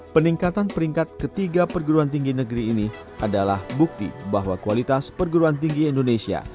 peningkatan peringkat ketiga perguruan tinggi negeri ini adalah bukti bahwa kualitas perguruan tinggi indonesia